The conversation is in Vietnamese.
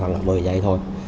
một mươi giây thôi